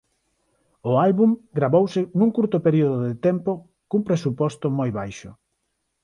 O álbum gravouse nun curto período de tempo cun presuposto moi baixo.